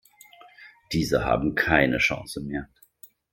Diese haben keine Chance mehr.